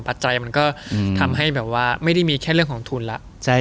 ปัจจัยมันก็ทำให้แบบว่าไม่ได้มีแค่เรื่องของทุนแล้ว